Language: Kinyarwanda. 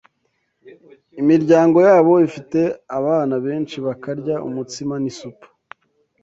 imiryango yabo ifite abana benshi bakarya umutsima n’isupu.